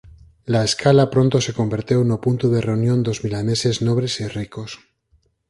La Scala pronto se converteu no punto de reunión dos milaneses nobres e ricos.